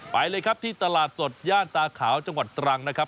ไปเลยครับที่ตลาดสดย่านตาขาวจังหวัดตรังนะครับ